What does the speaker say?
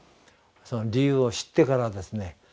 その理由を知ってからですね